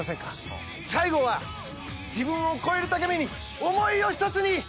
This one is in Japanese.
最後は自分を超えるために思いを一つに。